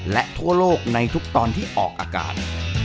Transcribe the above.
และทั่วโลกในทุกตอนที่ออกอากาศ